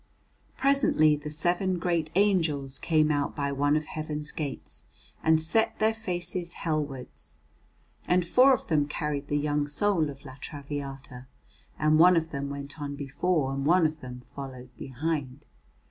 Presently the seven great angels came out by one of Heaven's gates and set their faces Hellwards, and four of them carried the young soul of La Traviata, and one of them went on before and one of them followed behind.